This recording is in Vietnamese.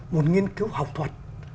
một nghiên cứu học thuật